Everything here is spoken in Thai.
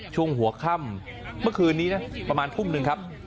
ช่วงหัวค่ำเมื่อคืนนี้นะประมาณทุ่มหนึ่งครับ